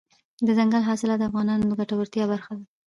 دځنګل حاصلات د افغانانو د ګټورتیا برخه ده.